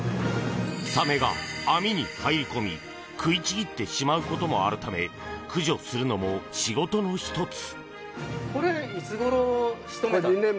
サメが網に入り込み食いちぎってしまうこともあるため駆除するのも仕事の１つ。